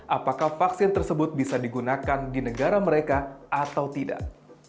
apakah vaksin tersebut bisa digunakan di negara mereka atau tidak